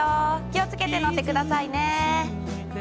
気を付けて乗ってくださいね。